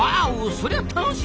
そりゃ楽しみ！